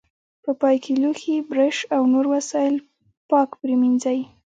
په پای کې لوښي، برش او نور وسایل پاک پرېمنځئ.